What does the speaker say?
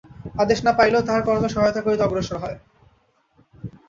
আদেশ না পাইলেও তাঁহার কর্মে সহায়তা করিতে অগ্রসর হয়।